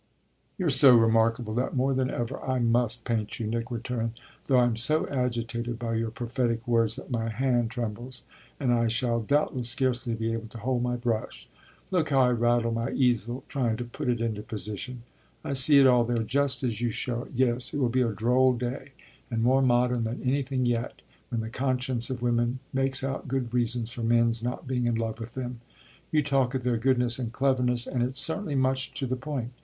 "You're so remarkable that, more than ever, I must paint you," Nick returned, "though I'm so agitated by your prophetic words that my hand trembles and I shall doubtless scarcely be able to hold my brush. Look how I rattle my easel trying to put it into position. I see it all there just as you show it. Yes, it will be a droll day, and more modern than anything yet, when the conscience of women makes out good reasons for men's not being in love with them. You talk of their goodness and cleverness, and it's certainly much to the point.